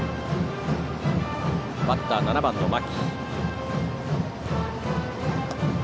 バッター、７番の牧。